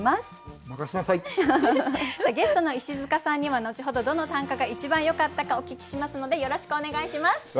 ゲストの石塚さんには後ほどどの短歌が一番よかったかお聞きしますのでよろしくお願いします。